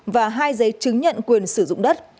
và hai giấy chứng nhận quyền sử dụng đất